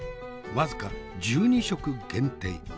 僅か１２食限定。